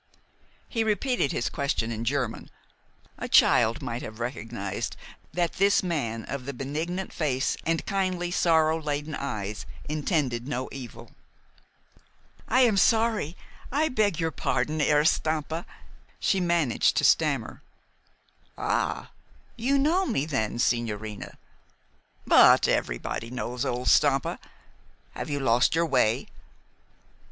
He repeated his question in German. A child might have recognized that this man of the benignant face and kindly, sorrow laden eyes intended no evil. "I am sorry. I beg your pardon, Herr Stampa," she managed to stammer. "Ah, you know me, then, sigñorina! But everybody knows old Stampa. Have you lost your way?"